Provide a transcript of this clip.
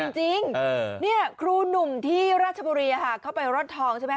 จริงครูหนุ่มที่ราชบุรีเข้าไปร่อนทองใช่ไหม